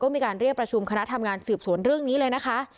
มีการเรียกประชุมคณะทำงานสืบสวนเรื่องนี้เลยนะคะ